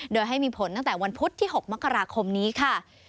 โดยให้มีผลตั้งแต่วันพุธที่๖มกราคมนี้ค่ะ